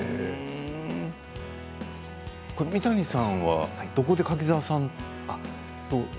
三谷さんはどこで柿澤さんと？